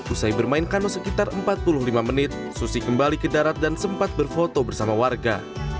usai bermain kano sekitar empat puluh lima menit susi kembali ke darat dan sempat berfoto bersama warga